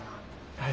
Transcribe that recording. はい。